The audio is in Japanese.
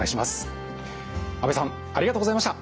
阿部さんありがとうございました。